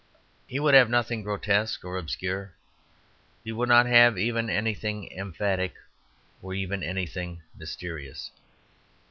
He would have nothing grotesque or obscure; he would not have even anything emphatic or even anything mysterious.